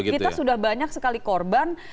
kita sudah banyak sekali korban